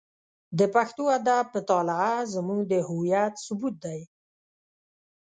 د پښتو ادب مطالعه زموږ د هویت ثبوت دی.